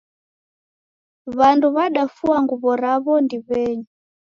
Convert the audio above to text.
W'amu w'andafua nguw'o raw'o ndiw'enyi.